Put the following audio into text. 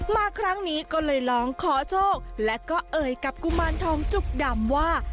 มาครั้งนี้ก็เลยลองขอโชคและก็เอ่ยกับกุมารทองจุกดำว่า